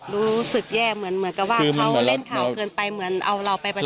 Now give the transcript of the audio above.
รู้สึกแย่เหมือนกับว่าเขาเล่นข่าวเกินไปเหมือนเอาเราไปประเทศ